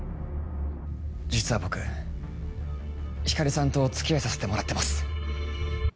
実は僕光莉さんとお付き合いさせてもらってます。